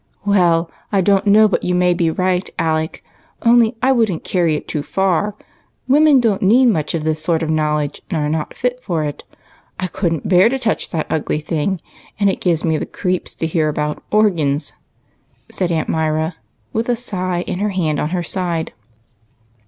"Well, I don't know but you may be right. Alec, only I would n't carry it too far. Women don't need much of this sort of knowledge, and are not fit for it. I could n't bear to touch that ugly thing, and it gives me the creeps to hear about ' organs,' " said Aunt Myra, with a sigh and her hand on her side.